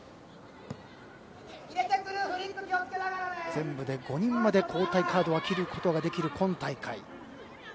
全部で５人まで交代カードを切ることができる今大会。